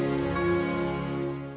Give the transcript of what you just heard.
untuk jadi lebih baik